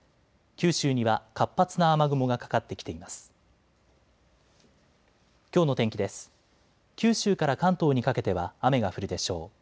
九州から関東にかけては雨が降るでしょう。